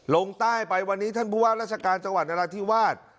ลงใต้ไปวันนี้ท่านผู้ว่าราชการจังหวัดนราธิวาส